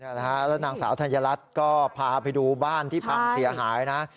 นั่นแหละฮะแล้วนางสาวธัญรัติก็พาไปดูบ้านที่พังเสียหายนะ